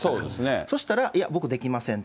そうしたら、いや、僕できませんと。